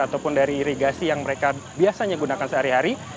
ataupun dari irigasi yang mereka biasanya gunakan sehari hari